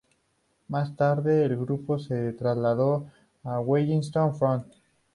Más tarde, el grupo se trasladó a Wellington Front.